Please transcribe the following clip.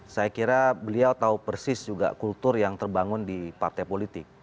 saya kira beliau tahu persis juga kultur yang terbangun di partai politik